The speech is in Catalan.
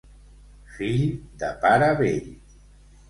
Fill de pare vell.